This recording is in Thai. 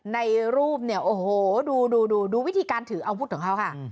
ในรูปเนี่ยโอ้โหดูดูวิธีการถืออาวุธของเขาค่ะ